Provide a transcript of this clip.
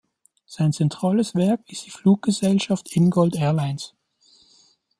Sein zentrales Werk ist die „Fluggesellschaft Ingold Airlines“.